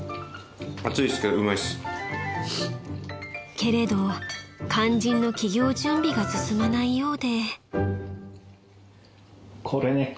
［けれど肝心の起業準備が進まないようで］